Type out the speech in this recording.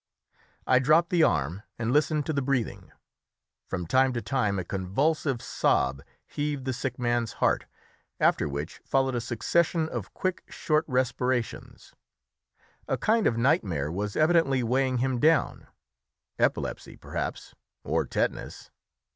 I dropped the arm and listened to the breathing. From time to time a convulsive sob heaved the sick man's heart, after which followed a succession of quick, short respirations. A kind of nightmare was evidently weighing him down epilepsy, perhaps, or tetanus.